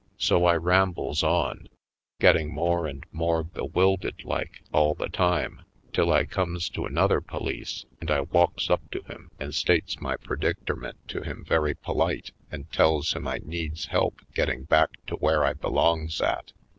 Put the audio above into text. So I rambles on, getting more and more be wilded like all the time, till I comes to another police and I walks up to him and states my perdicterment to him very polite and tells him I needs help getting back to where I belongs at.